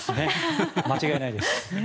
間違いないです。